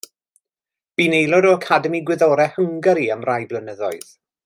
Bu'n aelod o Academi Gwyddorau Hwngari am rai blynyddoedd.